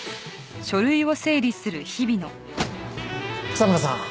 草村さん。